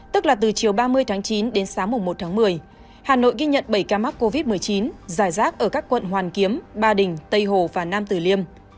từ chiều ba mươi tháng chín đến sáng mùng một tháng một mươi hà nội ghi nhận bảy ca mắc covid một mươi chín giải rác ở các quận hoàn kiếm ba đình tây hồ và nam tử liêm